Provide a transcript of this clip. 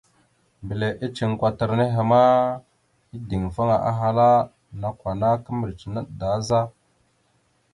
Mbile iceŋ kwatar nehe ma, ideŋfaŋa, ahala: « Nakw ana kimbirec naɗ da za? ».